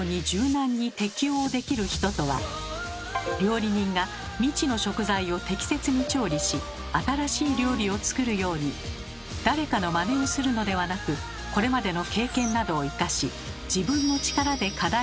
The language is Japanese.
料理人が未知の食材を適切に調理し新しい料理を作るように誰かのまねをするのではなくということです。